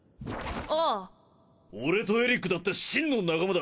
ああオレとエリックだって真の仲間だ！